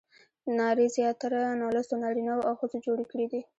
نارې زیاتره نالوستو نارینه وو او ښځو جوړې کړې دي.